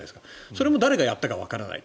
それも誰がやったかわからない。